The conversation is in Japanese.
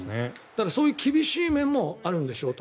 そういう厳しい面もあるんでしょうと。